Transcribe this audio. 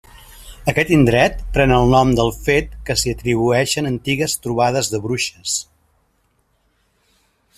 Aquest indret pren el nom del fet que s'hi atribueixen antigues trobades de bruixes.